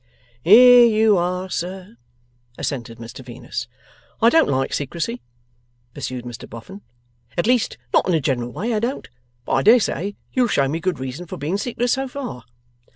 'Here you are, sir,' assented Mr Venus. 'I don't like secrecy,' pursued Mr Boffin 'at least, not in a general way I don't but I dare say you'll show me good reason for being secret so far.